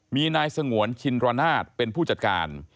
มีนายสงวนชินรนาศเป็นผู้จัดการ